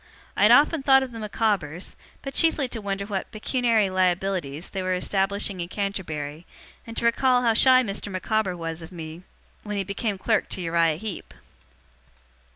I had often thought of the Micawbers, but chiefly to wonder what 'pecuniary liabilities' they were establishing in Canterbury, and to recall how shy Mr. Micawber was of me when he became clerk to Uriah Heep.